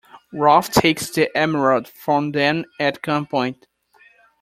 Ralph takes the emerald from them at gunpoint.